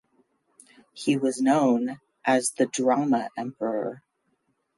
He was known as the "Drama emperor".